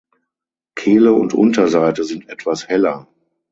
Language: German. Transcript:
Kehle und Unterseite sind etwas heller.